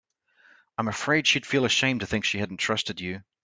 I'm afraid she'd feel ashamed to think she hadn't trusted you.